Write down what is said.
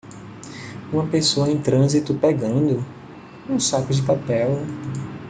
Uma pessoa em trânsito pegando? um saco de papel.